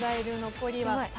残りは２人。